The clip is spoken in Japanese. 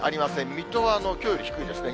水戸はきょうより低いですね。